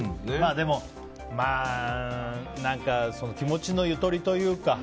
でも、まあ気持ちのゆとりというか。